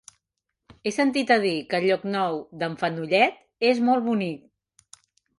He sentit a dir que Llocnou d'en Fenollet és molt bonic.